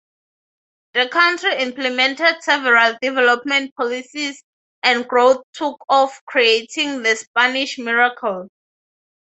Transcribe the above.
The country implemented several development policies and growth took off creating the "Spanish Miracle".